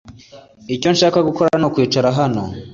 Icyo nshaka gukora nukwicara hano